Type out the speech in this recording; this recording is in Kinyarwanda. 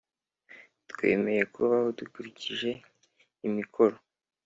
twemeye kubaho dukurikije amikoro.